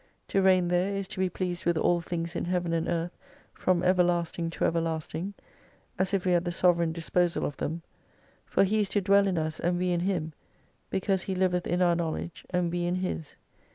To reign there is to be pleased with all things in Heaven and Earth from everlasting to everlasting, as if we had the sovereign disposal of them. For He is to dwell in us, and we in Him, because He liveth in our knowledge and we in His.